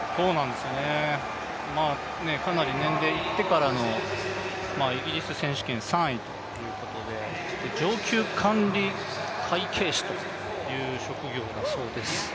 かなり年齢いってからのイギリス選手権３位ということで上級管理会計士という職業だそうです。